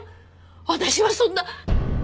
私はそんな。